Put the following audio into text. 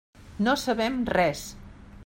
No sabem res.